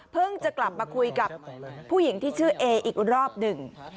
จะกลับมาคุยกับผู้หญิงที่ชื่อเออีกรอบหนึ่ง